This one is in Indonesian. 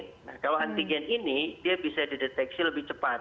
nah kalau antigen ini dia bisa dideteksi lebih cepat